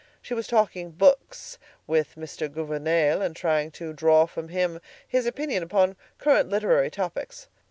She was talking "books" with Mr. Gouvernail and trying to draw from him his opinion upon current literary topics.